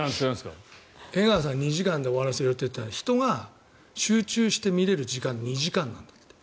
江川さんが２時間で終わらせるのは人が集中して見れる時間は２時間なんだと。